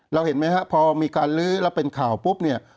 เห็นไหมครับพอมีการลื้อแล้วเป็นข่าวปุ๊บเนี่ย